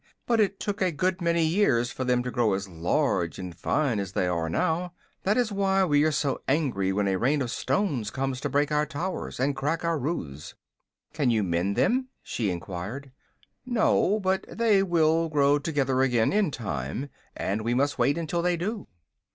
"But it took a good many years for them to grow as large and fine as they are now. That is why we are so angry when a Rain of Stones comes to break our towers and crack our roofs." "Can't you mend them?" she enquired. "No; but they will grow together again, in time, and we must wait until they do."